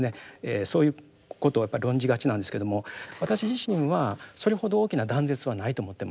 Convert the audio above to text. そういうことを論じがちなんですけども私自身はそれほど大きな断絶はないと思ってます。